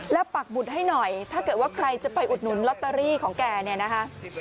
แล้วปักบุตรให้หน่อยถ้าเกิดว่าใครจะไปอุดหนุนลอตเตอรี่ของแกเนี่ยนะคะ